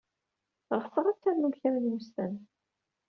Ɣseɣ ad ternum kra n wussan.